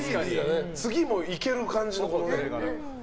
次もいける感じのね。